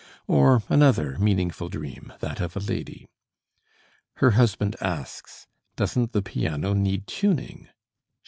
Or another meaningful dream, that of a lady. "Her husband asks, 'Doesn't the piano need tuning?'